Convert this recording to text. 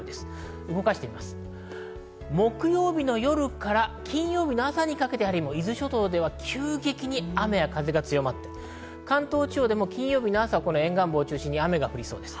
動かすと木曜日の夜から金曜日の朝にかけて伊豆諸島では急激に雨風が強まって関東地方でも金曜日の朝、沿岸部を中心に雨が降りそうです。